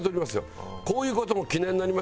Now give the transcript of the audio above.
こういう事も記念になりますからね。